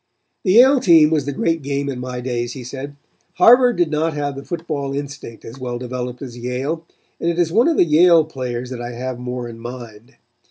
"The Yale game was the great game in my days," he said. "Harvard did not have the football instinct as well developed as Yale, and it is of the Yale players that I have more in mind.